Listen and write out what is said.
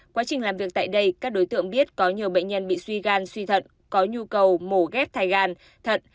quá trình làm việc tại đây các đối tượng biết có nhiều bệnh nhân bị suy gan suy thận có nhu cầu mổ ghép thai gan thận